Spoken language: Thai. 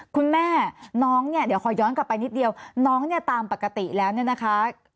คุณแม่น้องเนี่ยเดี๋ยวขอย้อนกลับไปนิดเดียวน้องเนี่ยตามปกติแล้วเนี่ยนะคะ